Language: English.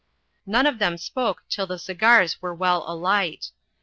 None of them spoke till the cigars were well alight.